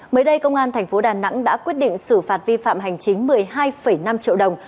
mới đây công an tp đà nẵng đã quyết định xử phạt vi phạm hành chính một mươi hai năm triệu đồng